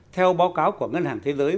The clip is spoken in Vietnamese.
theo báo cáo của ngân hàng thế giới